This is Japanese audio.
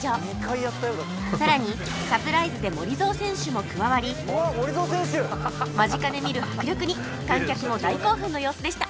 さらにサプライズでモリゾウ選手も加わり間近で見る迫力に観客も大興奮の様子でした